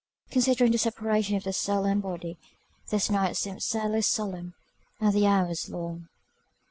Considering the separation of the soul and body, this night seemed sadly solemn, and the hours long.